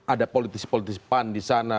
ada politisi politisi pan di sana